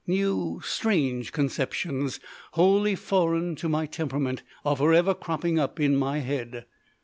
New, strange conceptions, wholly foreign to my temperament, are for ever cropping up in my head.